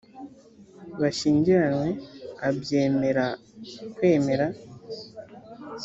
bashyingiranywe abyemera kwemera